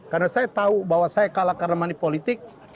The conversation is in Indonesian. karena saya tahu bahwa saya kalah karena manipulasi politik